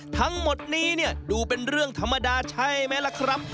ทั้งหมดนี้เนี่ยดูเป็นเรื่องธรรมดาใช่ไหมล่ะครับ